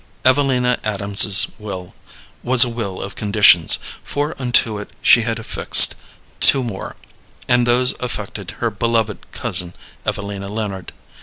Evelina Adams's will was a will of conditions, for unto it she had affixed two more, and those affected her beloved cousin Evelina Leonard.